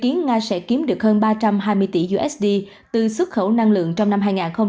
khiến nga sẽ kiếm được hơn ba trăm hai mươi tỷ usd từ xuất khẩu năng lượng trong năm hai nghìn hai mươi hai